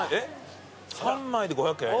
３枚で５００円？